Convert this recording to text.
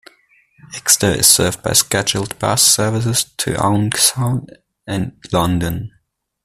Exeter is served by scheduled bus service to Owen Sound and London.